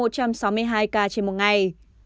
một mươi một một trăm sáu mươi hai ca trên một ngày